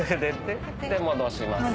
戻します。